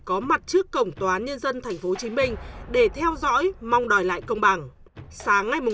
có mặt trước cổng tòa án nhân dân thành phố hồ chí minh để theo dõi mong đòi lại công bằng sáng ngày